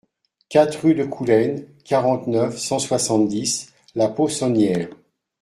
quatre rue de Coulaines, quarante-neuf, cent soixante-dix, La Possonnière